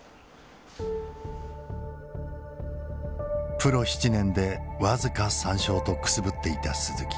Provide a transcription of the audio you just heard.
プロ７年で僅か３勝とくすぶっていた鈴木。